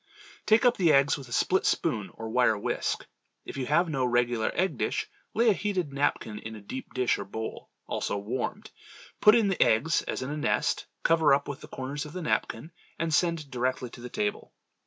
Take up the eggs with a split spoon or wire whisk. If you have no regular egg dish, lay a heated napkin in a deep dish or bowl (also warmed), put in the eggs as in a nest, cover up with the corners of the napkin, and send directly to the table.